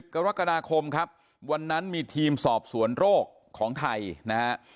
กรกฎาคมครับวันนั้นมีทีมสอบสวนโรคของไทยนะฮะ